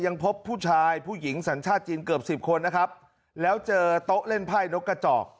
ยังพบผู้ชายผู้หญิงสัญชาติจีนเกือบสิบคนนะครับแล้วเจอโต๊ะเล่นไพ่นกกระจอก